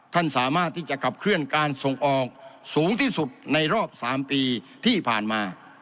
ท่านสามารถที่จะขับเคลื่อนการส่งออกสูงที่สุดในรอบ๓ปีที่ผ่านมา